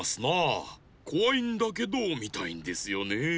こわいんだけどみたいんですよねえ。